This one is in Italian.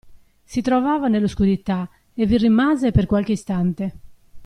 Si trovava nell'oscurità e vi rimase per qualche istante.